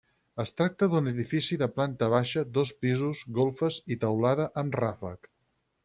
Es tracta d'un edifici de planta baixa, dos pisos, golfes i teulada amb ràfec.